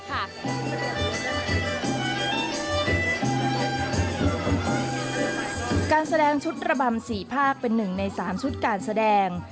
การแสดงชุดระบำ๔ภาคเป็น๑ใน๓ชุดการแสดง